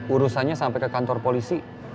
urusannya sampai ke kantor polisi